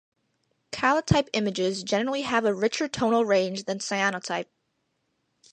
Kallitype images generally have a richer tonal range than the cyanotype.